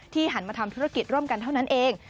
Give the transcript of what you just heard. หันมาทำธุรกิจร่วมกันเท่านั้นเอง